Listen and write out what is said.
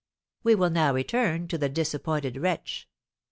We will now return to the disappointed wretch.